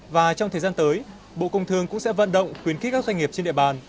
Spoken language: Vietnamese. và trong thời gian tới bộ công thương cũng sẽ vận động khuyến khích các doanh nghiệp trên địa bàn